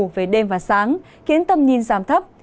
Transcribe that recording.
về đêm và sáng khiến tầm nhìn giảm thấp